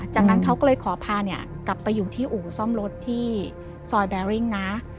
จากนั้นเขาก็เลยขอพาเนี่ยกลับไปอยู่ที่อู่ซ่อมรถที่ซอยแบริ่งนะ